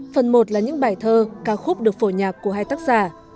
phần một là những bài thơ ca khúc được phổ nhạc của hai tác giả